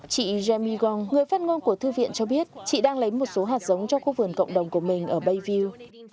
chị jammye gong người phát ngôn của thư viện cho biết chị đang lấy một số hạt giống cho khu vườn cộng đồng của mình ở bayview